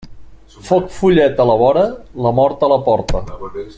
Foc follet a la vora, la mort a la porta.